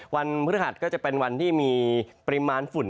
วันพฤหัสก็จะเป็นวันที่มีประสิทธิ์ปริมาณฝุ่น